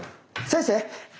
先生！